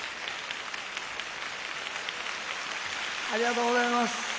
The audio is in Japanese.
ありがとうございます。